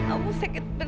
aku sakit bener